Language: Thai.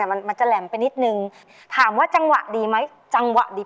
มันมันจะแหลมไปนิดนึงถามว่าจังหวะดีไหมจังหวะดี